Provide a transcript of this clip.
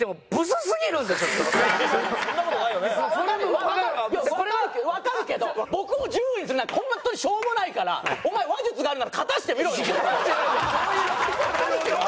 わかるわかるけど僕を１０位にするなんてホントにしょうもないからお前話術があるならやってみろよ！